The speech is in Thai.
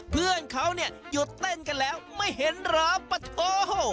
เพื่อนเขาอยู่เต้นกันแล้วไม่เห็นหรือปะโท